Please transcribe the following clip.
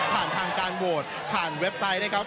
ผ่านทางการโหวตผ่านเว็บไซต์นะครับ